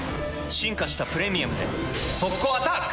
進化した「プレミアム」で速攻アタック！